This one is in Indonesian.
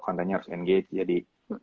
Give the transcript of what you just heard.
kontennya harus engage jadi